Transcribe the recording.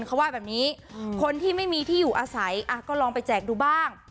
เขาว่าแบบนี้คนที่ไม่มีที่อยู่อาศัยก็ลองไปแจกดูบ้าง